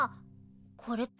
これって。